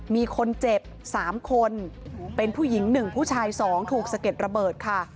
มีคนเจ็บ๓คนเป็นผู้หญิง๑ผู้ชาย๒ถูกสะเก็ดระเบิดค่ะ